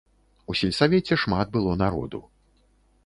У сельсавеце шмат было народу.